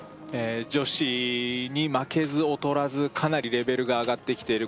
女子に負けず劣らずかなりレベルが上がってきている